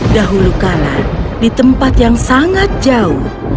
dahulu kala di tempat yang sangat jauh